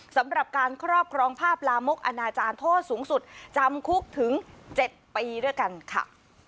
สำหรับการครอบครองภาพลามกอนาจารย์โทษสูงสุดจำคุกถึง๗ปีด้วยกันค่ะ